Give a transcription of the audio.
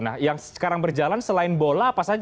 nah yang sekarang berjalan selain bola apa saja